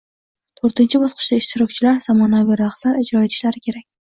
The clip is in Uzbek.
To’rtinchi bosqichda ishtirokchilar zamonaviy raqslar ijro etishlari kerak.